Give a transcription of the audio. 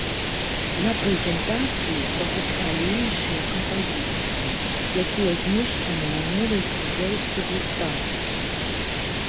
На прэзентацыі прагучалі іншыя кампазіцыі, якія змешчаны на новай кружэлцы гурта.